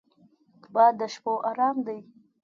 باد د شپو ارام دی